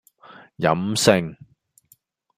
飲勝